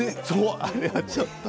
あれはちょっと。